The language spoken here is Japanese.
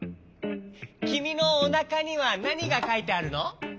きみのおなかにはなにがかいてあるの？